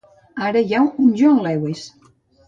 Ara hi ha un John Lewis.